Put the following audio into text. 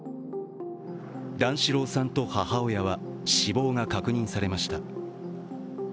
段四郎さんと母親は死亡が確認されました。